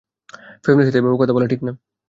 ফ্যামিলির সাথে এভাবে কথা ঠিক না।